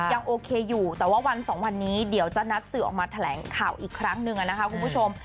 ยังโอเคอยู่แต่ว่าวันสองวันนี้เดี๋ยวจะนัดสื่อออกมาแถลงข่าวอีกครั้งหนึ่งนะคะคุณผู้ชม